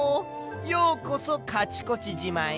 ようこそカチコチじまへ。